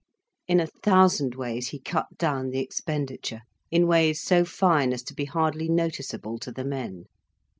In a thousand ways he cut down the expenditure, in ways so fine as to be hardly noticeable to the men.